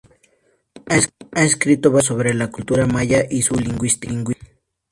Ha escrito varios libros sobre la cultura maya y su lingüística.